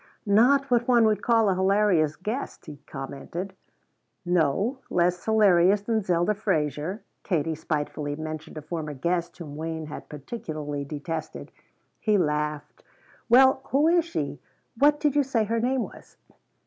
"Not what one would call a hilarious guest," he commented. "No, less hilarious than Zelda Fraser." Katie spitefully mentioned a former guest whom Wayne had particularly detested. He laughed. "Well, who is she? What did you say her name was?"